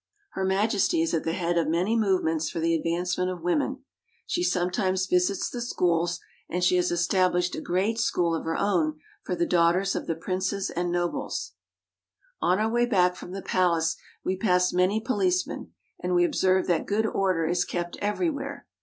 Her Majesty is at the head of many movements for the advancement of women. She sometimes visits the schools, and she has estabhshed a great school of her own for the daughters of the princes and nobles. HOW JAPAN IS GOVERNED 6l On our way back from the palace we pass many police men, and we observe that good order is kept everywhere.